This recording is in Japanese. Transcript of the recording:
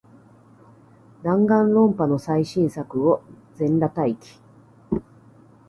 ダンガンロンパの最新作を、全裸待機